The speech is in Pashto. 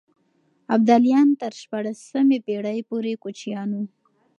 ابداليان تر شپاړسمې پېړۍ پورې کوچيان وو.